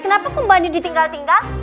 kenapa kok mbak andi ditinggal tinggal